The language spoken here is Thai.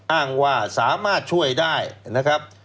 อ้างว่าสามารถช่วยได้นะครับ